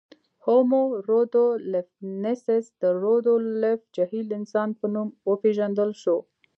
هومو رودولفنسیس د رودولف جهیل انسان په نوم وپېژندل شو.